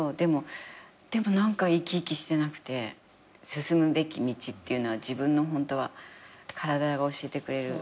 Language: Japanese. でも何か生き生きしてなくて進むべき道っていうのは自分の体が教えてくれる。